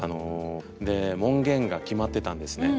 門限が決まってたんですね。